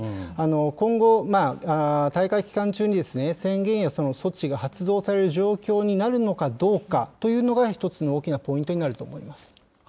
今後、大会期間中に宣言や措置が発動される状況になるのかどうかというのが一つの大きなポイントになると思います。